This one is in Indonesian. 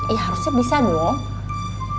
ya harusnya bisa dong